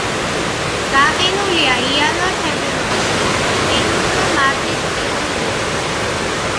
გაყინულია იანვარ-თებერვალში, ყინულძვრაა მარტის პირველ ნახევარში.